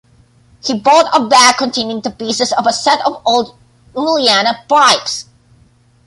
He bought a bag containing the pieces of a set of old uilleann pipes.